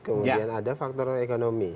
kemudian ada faktor ekonomi